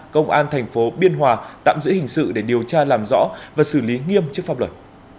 công an thành phố biên hòa tạm giữ hình sự để điều tra làm rõ và xử lý nghiêm chức pháp luật